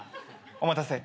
お待たせ。